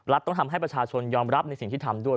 ต้องทำให้ประชาชนยอมรับในสิ่งที่ทำด้วย